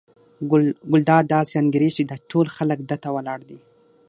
ګلداد داسې انګېري چې دا ټول خلک ده ته ولاړ دي.